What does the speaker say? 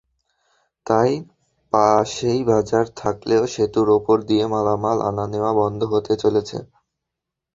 তাই পাশেই বাজার থাকলেও সেতুর ওপর দিয়ে মালামাল আনা-নেওয়া বন্ধ হতে চলেছে।